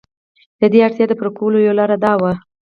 د دې اړتیا د پوره کولو یوه لار دا وه.